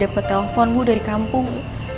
tetap jalan aja menunggu di rumah